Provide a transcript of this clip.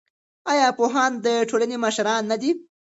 ایا پوهان د ټولنې مشران نه دي؟